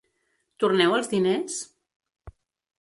Torneu els diners?